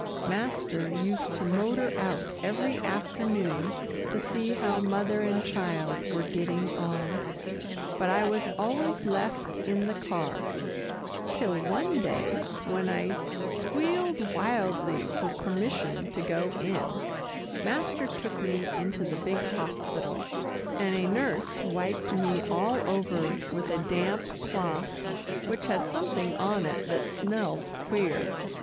Master used to motor out every afternoon to see how mother and child were getting on, but I was always left in the car, till one day, when I squealed wildly for permission to go in, master took me into the big hospital, and a nurse wiped me all over with a damp cloth which had something on it that smelled queer.